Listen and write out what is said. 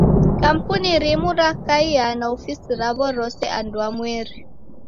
Kampuni rimu rakaia na ofisi raw'o rose anduamweri.